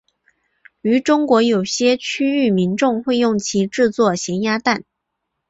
于中国有些区域民众会用其制作咸鸭蛋。